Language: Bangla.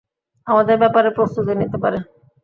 আমাদের ব্যাপারে প্রস্তুতি নিতে পারে।